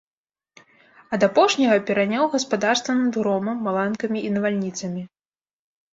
Ад апошняга пераняў гаспадарства над громам, маланкамі і навальніцамі.